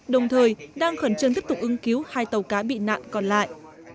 đồng thời đang khẩn trương tiếp tục ứng cứu hai tàu cá bị nạn còn lại